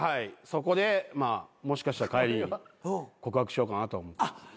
そこでもしかしたら帰り告白しようかなとは。